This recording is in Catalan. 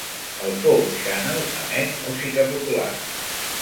El Fourth Channel emet música popular.